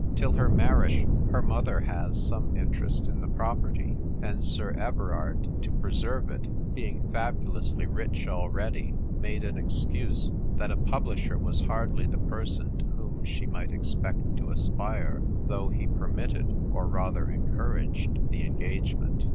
Till her marriage her mother has some interest in the property, and Sir Everard, to preserve it, being fabulously rich already, made an excuse that a publisher was hardly the person to whom she might expect to aspire — though he per mitted, or rather encouraged the engage ment."